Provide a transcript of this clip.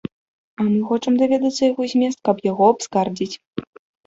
А мы хочам даведацца яго змест, каб яго абскардзіць.